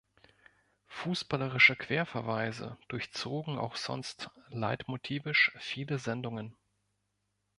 Fußballerische Querverweise durchzogen auch sonst leitmotivisch viele Sendungen.